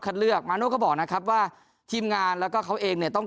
เลือกมาโน่ก็บอกนะครับว่าทีมงานแล้วก็เขาเองเนี่ยต้อง